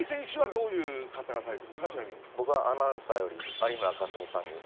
僕はアナウンサーより有村架純さんにはい